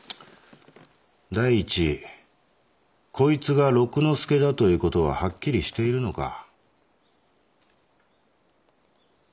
第一こいつが六之助だという事ははっきりしているのか？